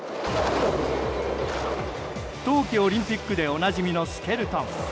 冬季オリンピックでおなじみのスケルトン。